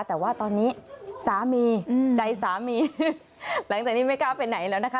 แต่ว่าตอนนี้สามีใจสามีหลังจากนี้ไม่กล้าไปไหนแล้วนะคะ